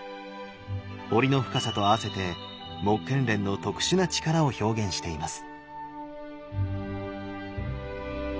彫りの深さとあわせて目連の特殊な力を表現しています。